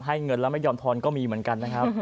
เงินแล้วไม่ยอมทอนก็มีเหมือนกันนะครับ